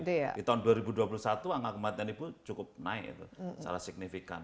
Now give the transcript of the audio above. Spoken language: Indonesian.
di tahun dua ribu dua puluh satu angka kematian ibu cukup naik secara signifikan